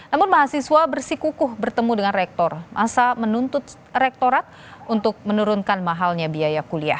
namun mahasiswa bersikukuh bertemu dengan rektor masa menuntut rektorat untuk menurunkan mahalnya biaya kuliah